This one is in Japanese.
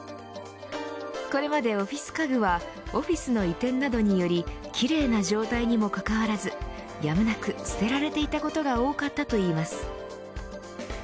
これまでオフィス家具はオフィスの移転などにより奇麗な状態にもかかわらずやむなく捨てられていたことが多かったといいます。